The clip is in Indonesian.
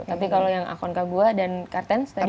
tapi kalau yang akonka gue dan kartens tadi kita sendiri